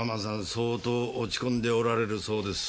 相当落ち込んでおられるそうです。